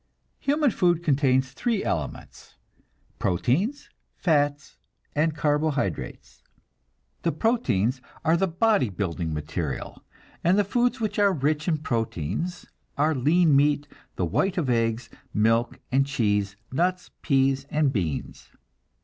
Human food contains three elements: proteins, fats and carbohydrates. The proteins are the body building material, and the foods which are rich in proteins are lean meat, the white of eggs, milk and cheese, nuts, peas and beans.